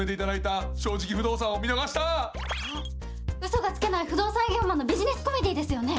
あっ嘘がつけない不動産営業マンのビジネスコメディーですよね？